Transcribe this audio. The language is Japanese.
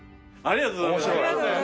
ありがとうございます。